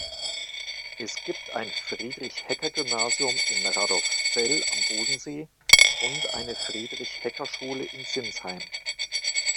Es gibt ein Friedrich-Hecker-Gymnasium in Radolfzell am Bodensee und eine Friedrich-Hecker-Schule in Sinsheim.